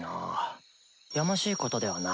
やましいことではない！